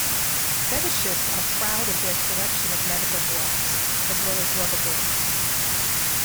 Fetishists are proud of their collection of medical gloves, as well as rubber gloves.